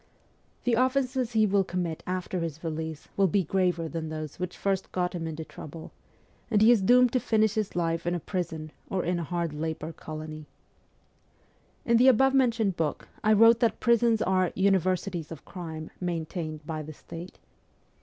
The offences he will commit after his release will be graver than those which first got him into trouble ; and he is doomed to finish his life in a prison or in a hard labour colony. In the above mentioned book I wrote that prisons are ' universities of crime, maintained by the state.'